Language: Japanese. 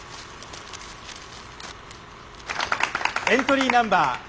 エントリーナンバー